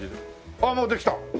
あっもうできた。